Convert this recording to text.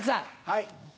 はい。